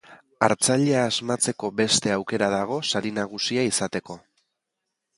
Hartzailea asmatzeko beste aukera dago sari nagusia izateko.